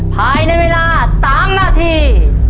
ภายในเวลา๓นาที